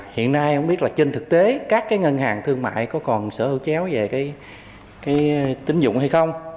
hiện nay không biết là trên thực tế các ngân hàng thương mại có còn sở hữu chéo về cái tín dụng hay không